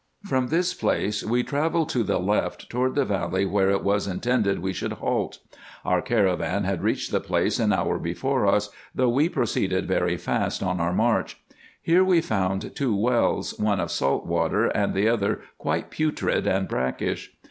From this place we travelled to the left toward the valley where it was intended we should halt. Our caravan had reached the place an hour before us, though we proceeded very fast on our march. Here we found two wells, one of salt water, and the other quite putrid and brackish.